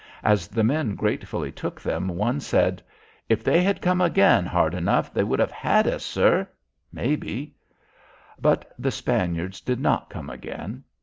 As the men gratefully took them, one said: "If they had come again hard enough, they would have had us, sir, maybe." But the Spaniards did not come again.